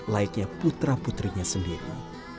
laiknya putra putrinya sendiri